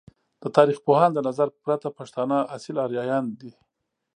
د تاریخ پوهانو د نظر پرته ، پښتانه اصیل آریایان دی!